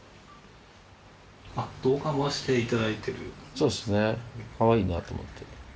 そうですねかわいいなと思って。